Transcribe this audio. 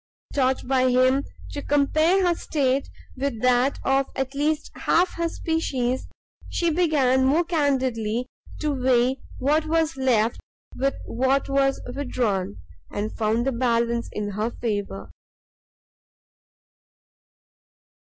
Taught by him to compare her state with that of at least half her species, she began more candidly to weigh what was left with what was withdrawn, and found the balance in her favour.